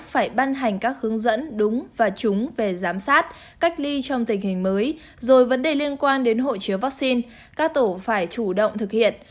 phải ban hành các hướng dẫn đúng và trúng về giám sát cách ly trong tình hình mới rồi vấn đề liên quan đến hội chứa vaccine các tổ phải chủ động thực hiện